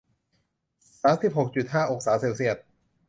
สามสิบหกจุดห้า องศาเซลเซียส